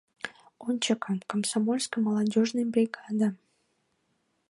Ончыко, комсомольско-молодёжный бригада!